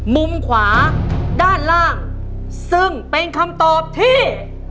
มุมขวาด้านล่างซึ่งเป็นคำตอบที่